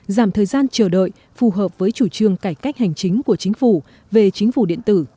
giảm thời gian chờ đợi phù hợp với chủ trương cải cách hành chính của chính phủ về chính phủ điện tử